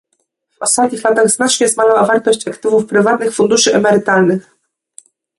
W ostatnich latach znacznie zmalała wartość aktywów prywatnych funduszy emerytalnych